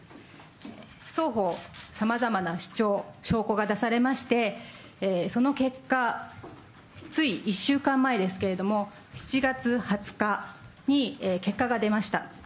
双方、さまざまな主張、証拠が出されまして、その結果、つい１週間前ですけれども、７月２０日に結果が出ました。